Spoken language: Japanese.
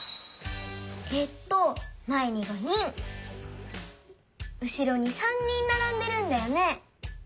えっとまえに５人うしろに３人ならんでるんだよね。